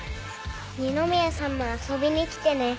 二宮さんも遊びに来てね。